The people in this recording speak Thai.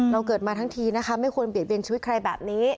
เราเกิดมาทั้งทีนะคะไม่ควรเบียดเบียนชีวิตใครแบบนี้